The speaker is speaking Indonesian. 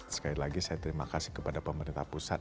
sekali lagi saya terima kasih kepada pemerintah pusat